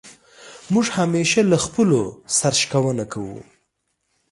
موږ همېشه له خپلو سر شکونه کوو.